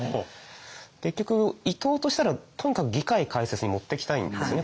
結局伊藤としたらとにかく議会開設に持ってきたいんですね。